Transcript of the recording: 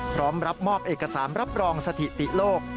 พร้อมรับมอบเอกสารรับรองสถิติโลก